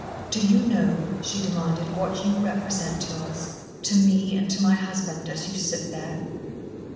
"Do you know," she demanded, "what you represent to us to me and to my husband as you sit there?"